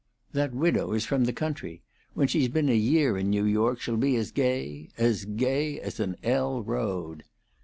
That widow is from the country. When she's been a year in New York she'll be as gay as gay as an L road."